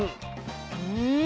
うん。